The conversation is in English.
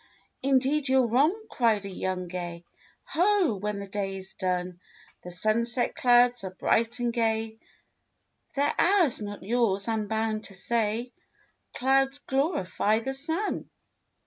"Indeed you're wrong," cried a young Gay, *'Ho! When the day is done The sunset clouds are bright and Gay, They're ours, not yours; I'm bound to say Clouds glorify the sun."